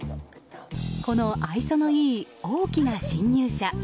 この愛想のいい大きな侵入者。